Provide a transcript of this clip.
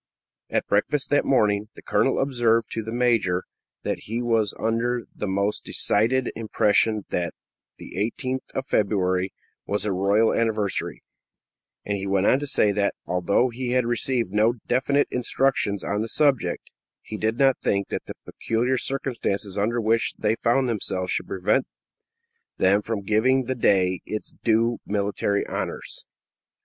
At breakfast that morning, the colonel observed to the major that he was under the most decided impression that the 18th of February was a royal anniversary; and he went on to say that, although he had received no definite instructions on the subject, he did not think that the peculiar circumstances under which they found themselves should prevent them from giving the day its due military honors.